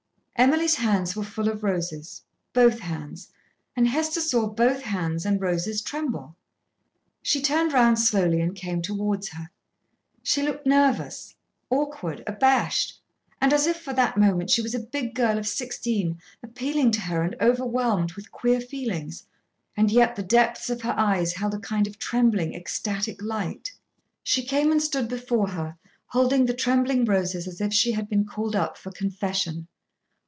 Emily's hands were full of roses, both hands, and Hester saw both hands and roses tremble. She turned round slowly and came towards her. She looked nervous, awkward, abashed, and as if for that moment she was a big girl of sixteen appealing to her and overwhelmed with queer feelings, and yet the depths of her eyes held a kind of trembling, ecstatic light. She came and stood before her, holding the trembling roses as if she had been called up for confession.